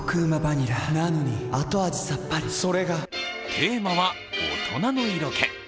テーマは大人の色気。